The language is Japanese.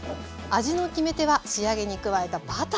味の決め手は仕上げに加えたバター。